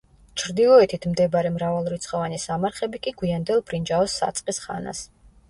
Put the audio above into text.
ჩრდილოეთით მდებარე მრავალრიცხოვანი სამარხები კი გვიანდელ ბრინჯაოს საწყის ხანას.